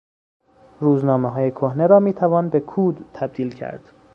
روزنامههای کهنه را میتوان به کود تبدیل کرد.